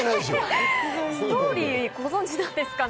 ストーリーはご存知なんですかね。